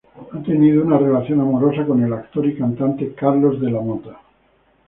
Ha tenido una relación amorosa con el actor y cantante Carlos de la Mota.